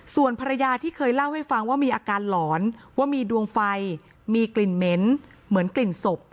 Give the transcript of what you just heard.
ส่วนภรรยาที่เคยเล่าให้ฟังว่ามีอาการหลอนว่ามีดวงไฟมีกลิ่นเหม็นเหมือนกลิ่นศพ